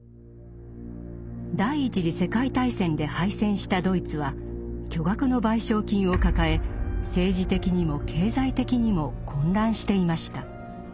第一次世界大戦で敗戦したドイツは巨額の賠償金を抱え政治的にも経済的にも混乱していました。